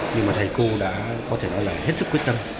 nhưng mà thầy cô đã có thể nói là hết sức quyết tâm